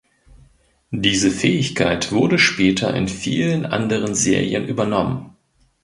Diese Fähigkeit wurde später in vielen anderen Serien übernommen.